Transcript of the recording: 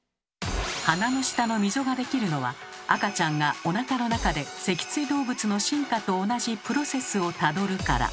鼻の下の溝ができるのは赤ちゃんがおなかの中で脊椎動物の進化と同じプロセスをたどるから。